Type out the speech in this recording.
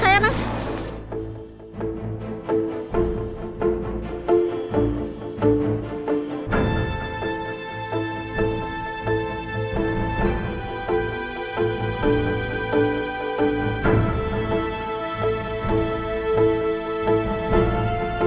ya bantu saya mas